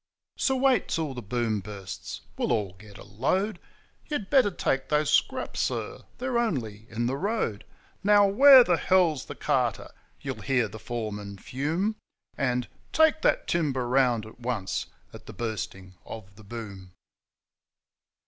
So wait till the Boom bursts! we'll all get a load. 'You had better take those scraps, sir, they're only in the road.' 'Now, where the hell's the carter?' you'll hear the foreman fume; And, 'Take that timber round at once!' at the Bursting of the Boom.